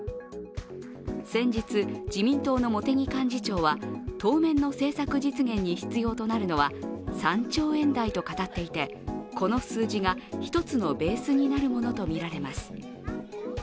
先日、自民党の茂木幹事長は当面の政策実現に必要となるのは３兆円台と語っていて、この数字が１つのベースになるものとみられます。